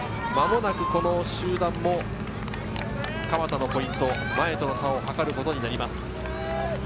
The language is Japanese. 間もなくこの集団も蒲田のポイント、前との差を計ることになります。